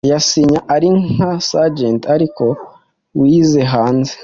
ayasinya ari nka Sergent ariko wize hanze